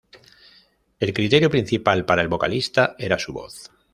El criterio principal para el vocalista era su voz.